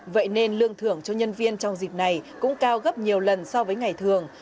vậy nên lương thưởng cho nhân viên trong dịp này cũng cao gấp nhiều lần so với ngày thường